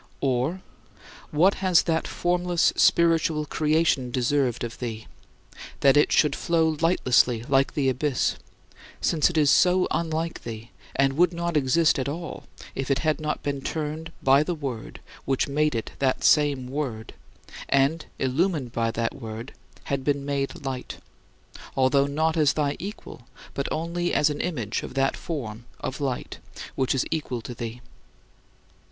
Or, what has that formless spiritual creation deserved of thee that it should flow lightlessly like the abyss since it is so unlike thee and would not exist at all if it had not been turned by the Word which made it that same Word, and, illumined by that Word, had been "made light" although not as thy equal but only as an image of that Form [of Light] which is equal to thee?